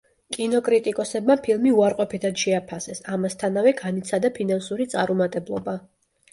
კინოკრიტიკოსებმა ფილმი უარყოფითად შეაფასეს, ამასთანავე განიცადა ფინანსური წარუმატებლობა.